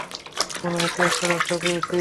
মনে হচ্ছে একটা রাস্তা পেয়েছি।